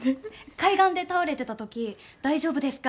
海岸で倒れてた時大丈夫ですか？